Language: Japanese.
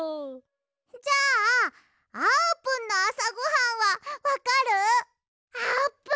じゃああーぷんのあさごはんはわかる？